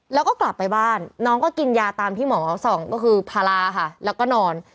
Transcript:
แล้วก็กลับไปบ้านน้องก็กินยาตามที่หมอส่องก็คือพาราค่ะแล้วก็นอน